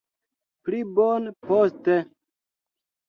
Pli bone poste